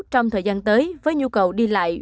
trong thời gian tới với nhu cầu đi lại